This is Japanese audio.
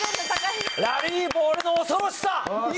ラリーボールの恐ろしさ！